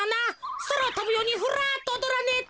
そらをとぶようにフラッとおどらねえと。